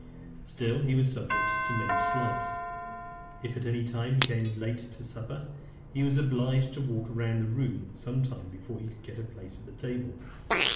VIII. Still he was subjected to many slights. If at any time he came in late to supper, he was obliged to walk round the room some time before he could get a place at table.